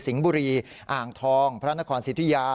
บุรีอ่างทองพระนครสิทธิยา